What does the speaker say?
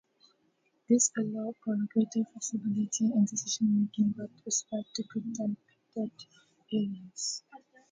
This allows for greater flexibility in decision-making with respect to protected areas.